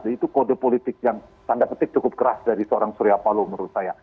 itu kode politik yang tanda petik cukup keras dari seorang surya paloh menurut saya